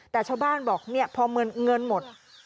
แต่ชาวบ้านบอกพอเงินหมด